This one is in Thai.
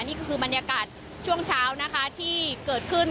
นี่ก็คือบรรยากาศช่วงเช้านะคะที่เกิดขึ้น